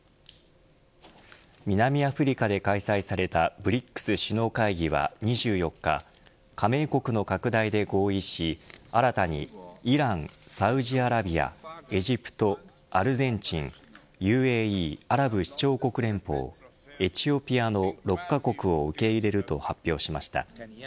南アフリカで開催されたＢＲＩＣＳ首脳会議は２４日加盟国の拡大で合意し新たにイラン、サウジアラビアエジプト、アルゼンチンＵＡＥ＝アラブ首長国連邦エチオピアの６カ国を受け入れると発表しました。